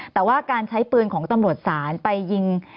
แต่ว่าการใช้ปืนของตำรวจศาลไปยิง